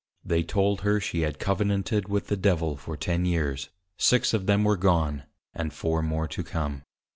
They told her, she had Covenanted with the Devil for ten Years, six of them were gone, and four more to come.